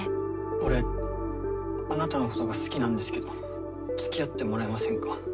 俺あなたのことが好きなんですけどつきあってもらえませんか？